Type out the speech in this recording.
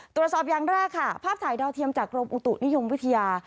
ตรวจสอบอย่างแรกค่ะภาพถ่ายดาวเทียมจากกรมอุตุนิยมวิทยา